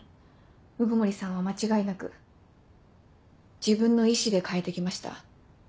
鵜久森さんは間違いなく自分の意志で変えてきました。